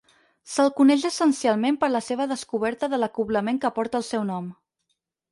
Se'l coneix essencialment per la seva descoberta de l'acoblament que porta el seu nom.